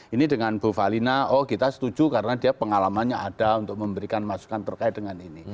ini dengan bu falina oh kita setuju karena dia pengalamannya ada untuk memberikan masukan terkait dengan ini